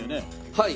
はい。